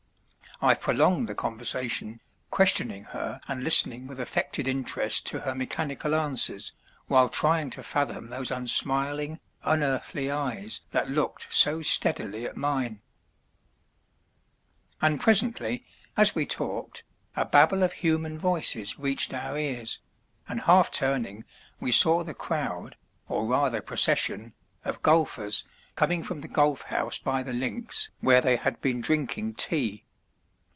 I prolonged the conversation, questioning her and listening with affected interest to her mechanical answers, while trying to fathom those unsmiling, unearthly eyes that looked so steadily at mine. And presently, as we talked, a babble of human voices reached our ears, and half turning we saw the crowd, or rather procession, of golfers coming from the golf house by the links where they had been drinking tea.